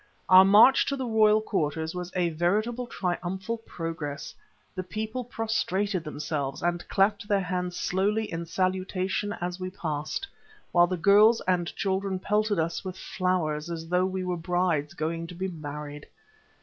Our march to the royal quarters was a veritable triumphal progress. The people prostrated themselves and clapped their hands slowly in salutation as we passed, while the girls and children pelted us with flowers as though we were brides going to be married.